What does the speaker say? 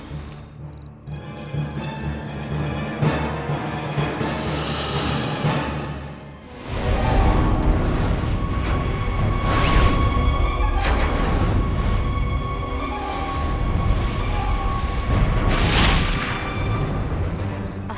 sepertinya ada yang tidak beres